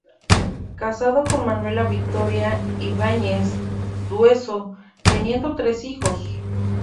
Casado con Manuela Victoria Ibáñez Dueso teniendo tres hijos.